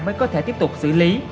mới có thể tiếp tục xử lý